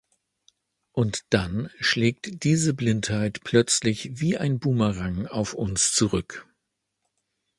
Und dann schlägt diese Blindheit plötzlich wie ein Bumerang auf uns zurück.